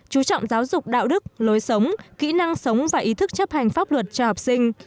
chú trọng giáo dục đạo đức lối sống kỹ năng sống và ý thức chấp hành pháp luật cho học sinh